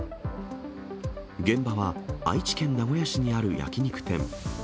現場は愛知県名古屋市にある焼き肉店。